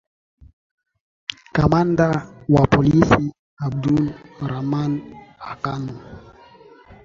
kamanda wa polisi abdul rahaman akano